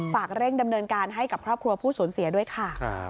เร่งดำเนินการให้กับครอบครัวผู้สูญเสียด้วยค่ะ